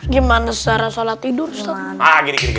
gimana secara sholat tidur ustadz